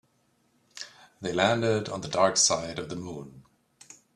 They landed on the dark side of the moon.